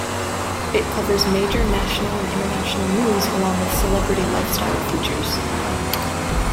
It covers major national and international news along with celebrity lifestyle features.